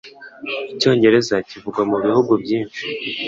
Icyongereza kivugwa mu bihugu byinshi.